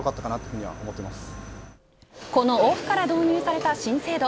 このオフから導入された新制度。